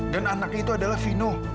dan anaknya itu adalah vino